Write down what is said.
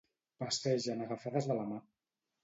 Passegen agafades de la mà.